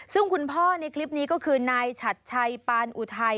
ซึ่งคุณพ่อในคลิปนี้ก็คือนายฉัดชัยปานอุทัย